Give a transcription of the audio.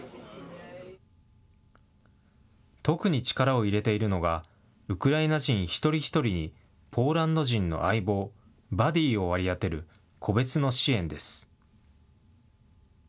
特に力を入れているのが、ウクライナ人一人一人に、ポーランド人の相棒、バディーを割り当てる、個別の支援です。